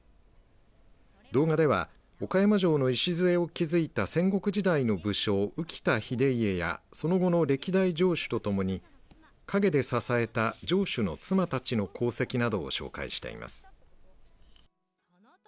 動画では、岡山城の礎を築いた戦国時代の武将、宇喜多秀家やその後の歴代城主とともに陰で支えた城主の妻たちの功績などを紹介しています。